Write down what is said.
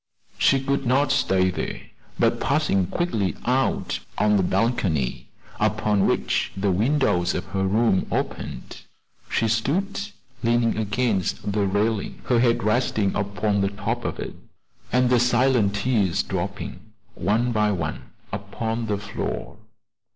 She could not stay there, but passing quickly out on to the balcony upon which the windows of her room opened, she stood leaning against the railing, her head resting upon the top of it, and the silent tears dropping one by one upon the floor.